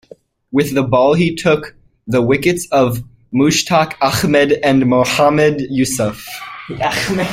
With the ball he took the wickets of Mushtaq Ahmed and Mohammad Yousuf.